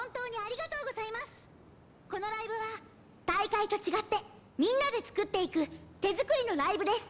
このライブは大会と違ってみんなで作っていく手作りのライブです。